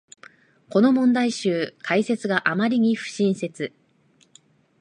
この問題集、解説があまりに不親切